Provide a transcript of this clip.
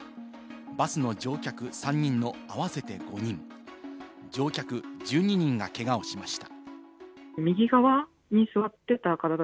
バスの乗客３人の合わせて５人、乗客１２人がけがをしました。